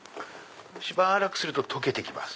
しばらくすると溶けてきます